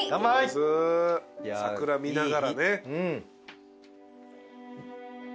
桜見ながらね。